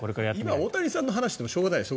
今、大谷さんの話をしてもしょうがないでしょ。